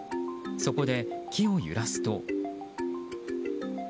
そこで木を揺らすと。